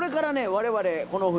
我々この船